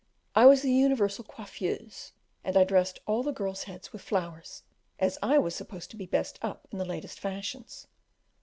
I was the universal coiffeuse, and I dressed all the girls' heads with flowers, as I was supposed to be best up in the latest fashions.